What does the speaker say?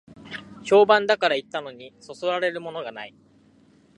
評判だから行ったのに、そそられるものがない